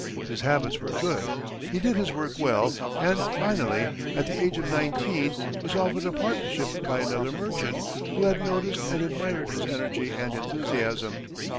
His habits were good, he did his work well, and finally, at the age of nineteen, was offered a partnership by another merchant, who had noticed and admired his energy and enthusiasm.